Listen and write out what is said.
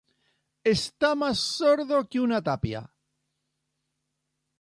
Está más sordo que una tapia